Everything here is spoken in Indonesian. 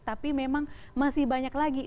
tapi memang masih banyak lagi